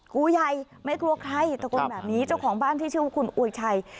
กูใหญ่ไม่กลัวใครตะโกนแบบนี้เจ้าของบ้านที่ชื่อว่าคุณอวยชัย